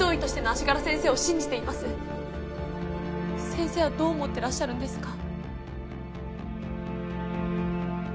先生はどう思ってらっしゃるんですか？